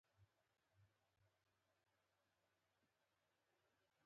زراعت د افغانانو د ژوند طرز اغېزمنوي.